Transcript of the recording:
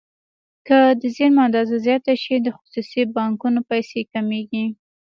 که د زېرمو اندازه زیاته شي د خصوصي بانکونو پیسې کمیږي.